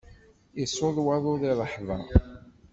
Isuḍ waḍu di ṛṛeḥba.